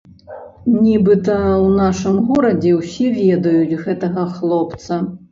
Нібыта, у нашым горадзе ўсе ведаюць гэтага хлопца.